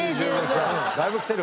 だいぶきてる。